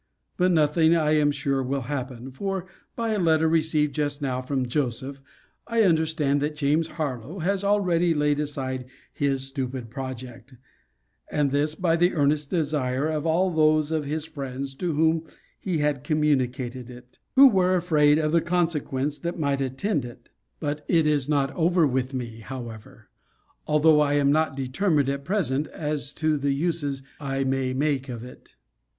But nothing I am sure will happen: for, by a letter received just now from Joseph, I understand, that James Harlowe has already laid aside his stupid project: and this by the earnest desire of all those of his friends to whom he had communicated it; who were afraid of the consequences that might attend it. But it is not over with me, however; although I am not determined at present as to the uses I may make of it.